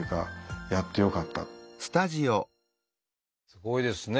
すごいですね。